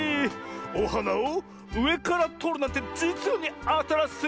おはなをうえからとるなんてじつにあたらしい！